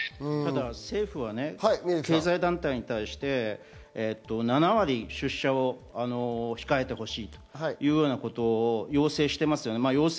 政府は経済団体に対して７割出社を控えてほしいというようなことを要請してますよね。